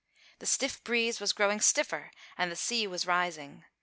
The stiff breeze was growing stiffer and the sea was rising.